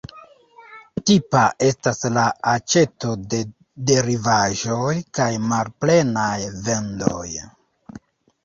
Tipa estas la aĉeto de derivaĵoj kaj malplenaj vendoj.